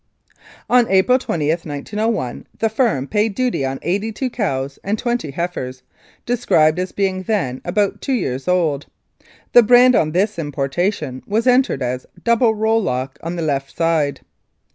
"On April 20, 1901, the firm paid duty on eighty two cows and twenty heifers, described as being then about two years old. The brand on this importation was entered as ^ on the left side.